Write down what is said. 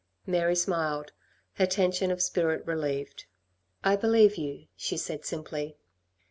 Mary smiled, her tension of spirit relieved. "I believe you," she said simply.